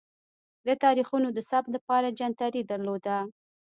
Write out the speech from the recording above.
د تاریخونو د ثبت لپاره جنتري درلوده.